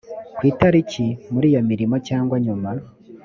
ko atakiri muri iyo mirimo cyangwa nyuma